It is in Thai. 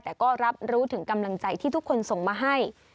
แต่ก็รับรู้ถึงกำลังใจที่ทุกคนส่งมาให้